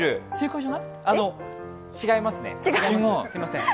違いますね。